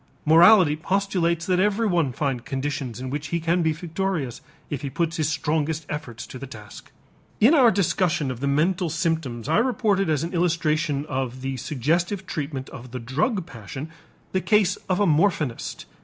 Morality postulates that everyone find conditions in which he can be victorious if he puts his strongest efforts to the task. In our discussion of the mental symptoms I reported as an illustration of the suggestive treatment of the drug passion the case of a morphinist.